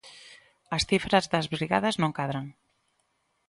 As cifras das brigadas non cadran.